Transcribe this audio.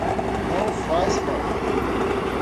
Não faz mal.